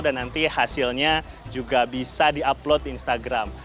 dan nanti hasilnya juga bisa di upload di instagram